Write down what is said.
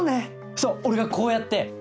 そう俺がこうやって。